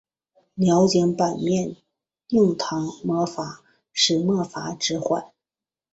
鸟井坂面影堂魔法使魔法指环